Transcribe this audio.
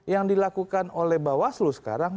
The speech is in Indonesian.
yang dilakukan oleh mbak waslu sekarang